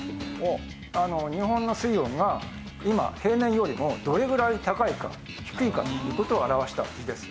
日本の水温が今平年よりもどれぐらい高いか低いかっていう事を表した図です。